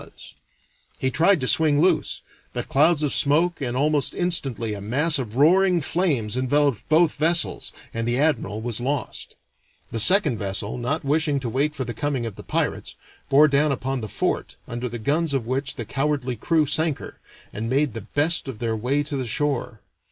Stedman Originally published in HARPER'S MAGAZINE, December, 1888] He tried to swing loose, but clouds of smoke and almost instantly a mass of roaring flames enveloped both vessels, and the admiral was lost. The second vessel, not wishing to wait for the coming of the pirates, bore down upon the fort, under the guns of which the cowardly crew sank her, and made the best of their way to the shore.